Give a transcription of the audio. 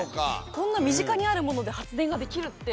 こんな身近にあるもので発電ができるって。